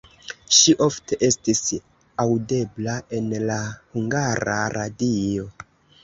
Ŝi ofte estis aŭdebla en la Hungara Radio.